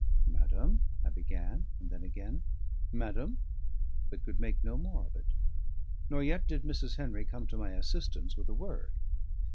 "Madam," I began; and then again, "Madam"; but could make no more of it. Nor yet did Mrs. Henry come to my assistance with a word.